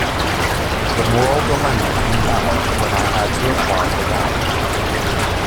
The moral dilemma came up when I had to apply the law.